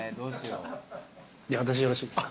私よろしいですか？